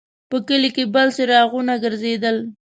په کلي کې بل څراغونه ګرځېدل.